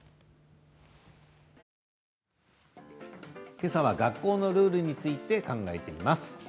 けさは学校のルールについて考えています。